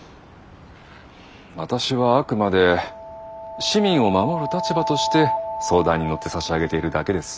私はあくまで市民を守る立場として相談に乗ってさしあげているだけです。